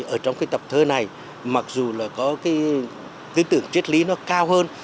ở trong tập thơ này mặc dù có tư tưởng triết lý nó cao hơn